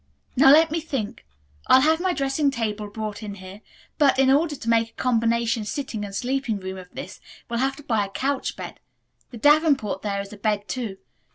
Now let me think. I'll have my dressing table brought in here, but, in order to make a combination sitting and sleeping room of this, we will have to buy a couch bed. The davenport there is a bed too.